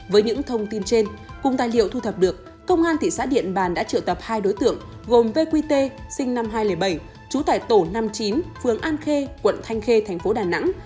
với những thông tin trên cùng tài liệu thu thập được công an thị xã điện bàn đã triệu tập hai đối tượng gồm vqt sinh năm hai nghìn bảy trú tại tổ năm mươi chín phường an khê quận thanh khê thành phố đà nẵng